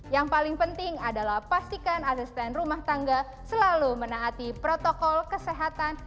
yang paling penting adalah pastikan asisten rumah tangga selalu menaati protokol kesehatan